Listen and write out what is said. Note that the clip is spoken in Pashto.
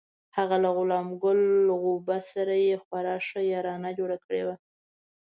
هغه له غلام ګل غوبه سره یې خورا ښه یارانه جوړه کړې وه.